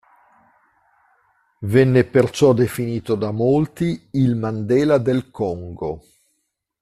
Venne perciò definito da molti il "Mandela del Congo".